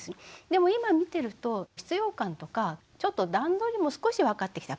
でも今見てると必要感とかちょっと段取りも少しわかってきた。